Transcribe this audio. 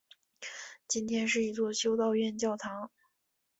今天是一座修道院教堂。